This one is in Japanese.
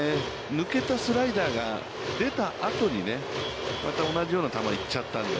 抜けたスライダーが出たあとにね、また同じような球が行っちゃったので。